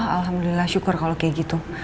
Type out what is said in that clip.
alhamdulillah syukur kalau kayak gitu